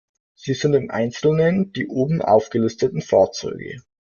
Dies sind im Einzelnen die oben aufgelisteten Fahrzeuge.